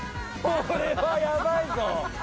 これはやばいぞ！